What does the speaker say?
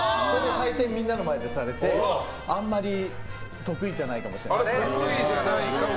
採点をみんなの前でされてあんまり得意じゃないかもしれないですね。